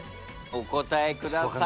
お答えください。